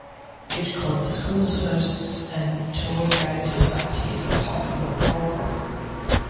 H-Club, the school's hosts and tour guide society, is a popular program.